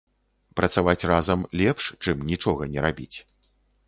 Працаваць разам лепш, чым нічога не рабіць.